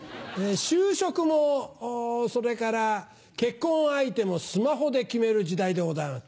就職もそれから結婚相手もスマホで決める時代でございます。